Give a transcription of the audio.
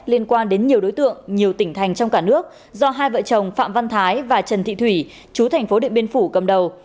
liên quan đến nhiều đối tượng nhiều tỉnh thành trong cả nước do hai vợ chồng phạm văn thái và trần thị thủy chú thành phố điện biên phủ cầm đầu